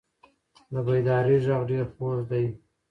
د بیدارۍ غږ ډېر خوږ دی.